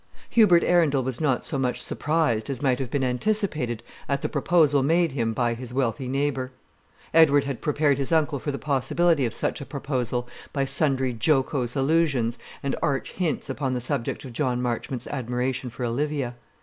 Hubert Arundel was not so much surprised as might have been anticipated at the proposal made him by his wealthy neighbour. Edward had prepared his uncle for the possibility of such a proposal by sundry jocose allusions and arch hints upon the subject of John Marchmont's admiration for Olivia.